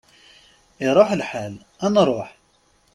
Iṛuḥ lḥal, ad nruḥ!